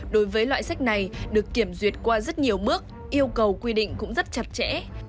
đối với loại sách này được kiểm duyệt qua rất nhiều bước yêu cầu quy định cũng rất chặt chẽ